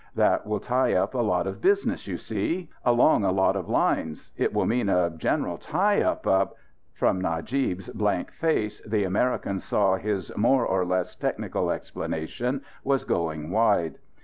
That will tie up a lot of business, you see; along a lot of lines. It will mean a general tie up a " From Najib's blank face, the American saw his more or less technical explanation was going wide.